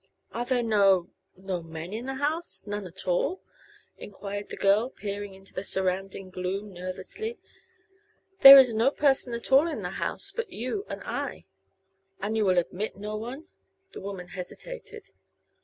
"Are there no no men in the house none at all?" enquired the girl, peering into the surrounding gloom nervously. "There is no person at all in the house, but you and I." "And you will admit no one?" The woman hesitated.